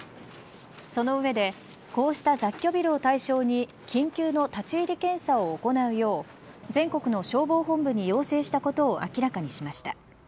その上でこうした雑居ビルを対象に緊急の立ち入り検査を行うよう全国の消防本部に要請したことを明らかにしました。